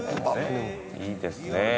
いいですね。